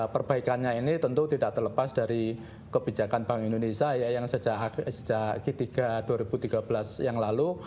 perbaikannya ini tentu tidak terlepas dari kebijakan bank indonesia yang sejak g tiga dua ribu tiga belas yang lalu